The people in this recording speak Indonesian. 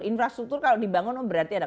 infrastruktur kalau dibangun berarti ada